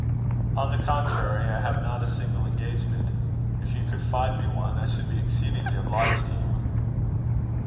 "On the contrary, I have not a single engagement. If you could find me one, I should be exceedingly obliged to you."